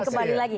ini kembali lagi